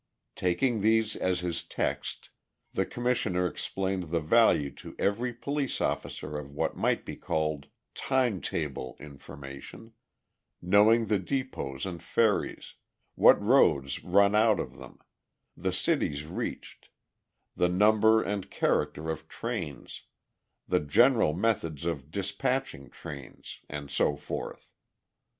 Taking these as his text, the Commissioner explained the value to every police officer of what might be called "time table" information—knowing the depots and ferries, what roads run out of them, the cities reached, the number and character of trains, the general methods of dispatching trains, and so forth.